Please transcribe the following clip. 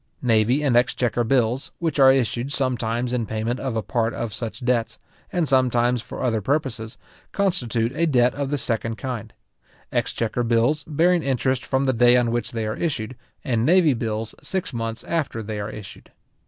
Navy and exchequer bills, which are issued sometimes in payment of a part of such debts, and sometimes for other purposes, constitute a debt of the second kind; exchequer bills bearing interest from the day on which they are issued, and navy bills six months after they are issued.